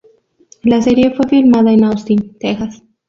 La serie fue filmada en Austin, Texas.